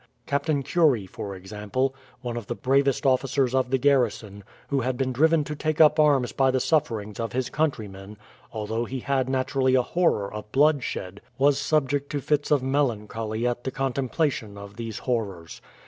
Captain Curey, for example, one of the bravest officers of the garrison, who had been driven to take up arms by the sufferings of his countrymen, although he had naturally a horror of bloodshed, was subject to fits of melancholy at the contemplation of these horrors.